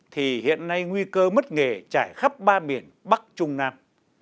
thì hiện nay nguy cơ mất nghề trải khắp ba miền bắc trung nam